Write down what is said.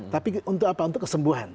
tapi untuk apa untuk kesembuhan